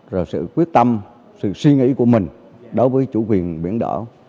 rồi sự quyết tâm sự suy nghĩ của mình đối với chủ quyền biển đảo